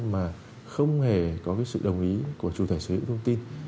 mà không hề có sự đồng ý của chủ thể xử lý thông tin